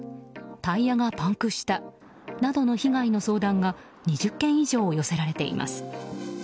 タイヤがパンクしたなどの被害の相談が２０件以上寄せられています。